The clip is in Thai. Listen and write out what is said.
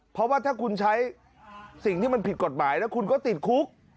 เพราะว่าถ้าคุณใช้สิ่งที่มันผิดกฎหมายแล้วคุณก็ติดคุก